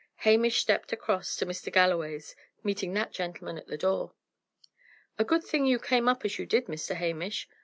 Hamish stepped across to Mr. Galloway's, meeting that gentleman at the door. "A good thing you came up as you did, Mr. Hamish.